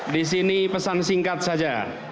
di sini pesan singkat saja